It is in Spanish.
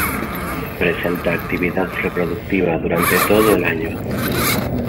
Presenta actividad reproductiva durante todo el año.